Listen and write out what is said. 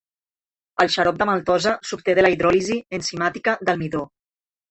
El xarop de maltosa s’obté de la hidròlisi enzimàtica del midó.